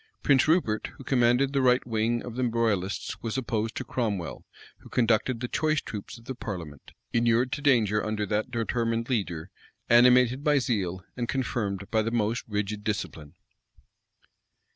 Prince Rupert, who commanded the right wing of the royalists, was opposed to Cromwell,[] who conducted the choice troops of the parliament, inured to danger under that determined leader, animated by zeal, and confirmed by the most rigid discipline.